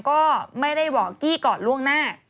ก็ไม่ได้บอกกี้ก่อนล่วงหน้า